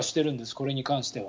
これに関しては。